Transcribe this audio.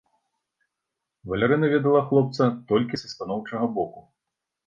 Валярына ведала хлопца толькі са станоўчага боку.